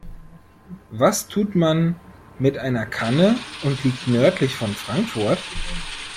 Was tut man mit einer Kanne und liegt nördlich von Frankfurt?